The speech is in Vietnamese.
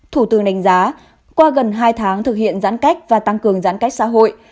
thủ tướng đánh giá qua gần hai tháng thực hiện giãn cách và tăng cường giãn cách xã hội